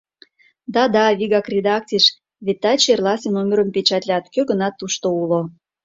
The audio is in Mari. Да, да, вигак редакцийыш, вет таче эрласе номерым печатлат, кӧ-гынат тушто уло.